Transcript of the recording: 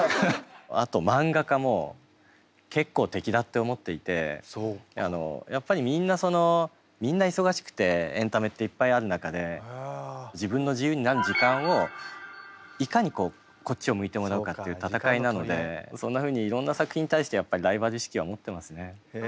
あと漫画家も結構敵だって思っていてやっぱりみんなそのみんな忙しくてエンタメっていっぱいある中で自分の自由になる時間をいかにこっちを向いてもらうかっていう戦いなのでそんなふうにいろんな作品に対してやっぱりライバル意識は持ってますね。